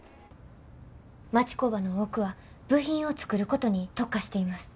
町工場の多くは部品を作ることに特化しています。